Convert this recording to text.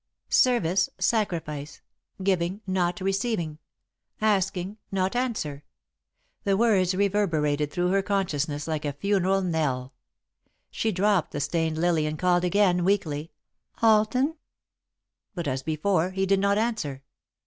"Service, sacrifice. Giving, not receiving; asking, not answer." The words reverberated through her consciousness like a funeral knell. She dropped the stained lily and called again, weakly: "Alden!" But, as before, he did not answer.